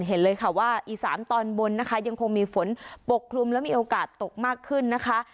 เห็นเลยค่ะว่าอีสานตอนบนนะคะยังคงมีฝนปกคลุมและมีโอกาสตกมากขึ้นนะคะ